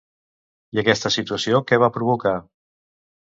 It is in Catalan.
I aquesta situació què va provocar?